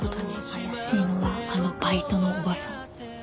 怪しいのはあのバイトのおばさん。